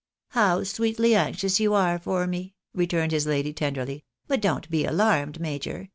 "How sweetly anxious you are for me!" returned his lady, tenderly. " But don't be alarmed, major.